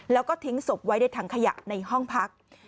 แล้วก็ทิ้งศพไว้ในถังขยะในห้องพัก